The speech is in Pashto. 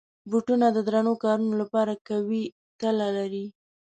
بوټونه د درنو کارونو لپاره قوي تله لري.